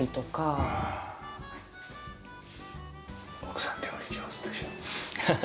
奥さん料理上手でしょ？